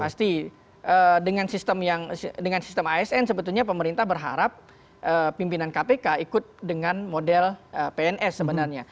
pasti dengan sistem asn sebetulnya pemerintah berharap pimpinan kpk ikut dengan model pns sebenarnya